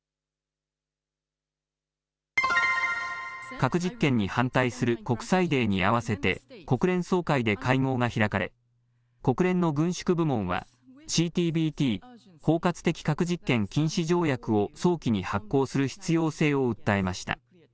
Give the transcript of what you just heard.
核実験に反対する国際デーにあわせて、国連総会で会合が開かれ、国連の軍縮部門は、ＣＴＢＴ・包括的核実験禁止条約を早期に発効する必要性を訴えました。